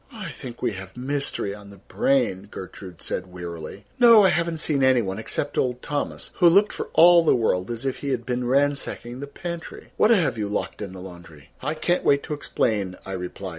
"I think we have mystery on the brain," Gertrude said wearily. "No, I haven't seen any one, except old Thomas, who looked for all the world as if he had been ransacking the pantry. What have you locked in the laundry?" "I can't wait to explain," I replied.